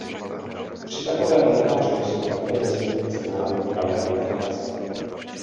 Tři takové oltáře jsou také ve sbírce Národní galerie v Praze.